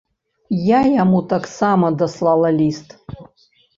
Я яму таксама даслала ліст.